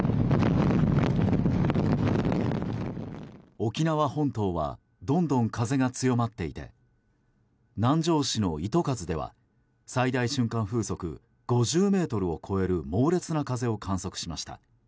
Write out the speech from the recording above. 沖縄本島はどんどん風が強まっていて南城市の糸数では最大瞬間風速５０メートルを超える猛烈な風を観測しました。